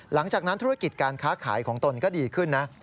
หลังจากนั้นธุรกิจการค้าขายของตนก็ดีขึ้นนะ